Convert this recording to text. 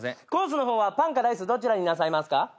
コースの方はパンかライスどちらになさいますか？